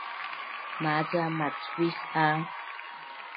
Maca macvis a